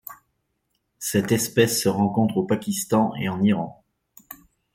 Cette espèce se rencontre au Pakistan et en Iran.